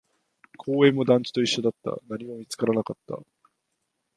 公園も団地と一緒だった、何も見つからなかった